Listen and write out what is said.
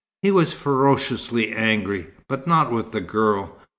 He was ferociously angry, but not with the girl.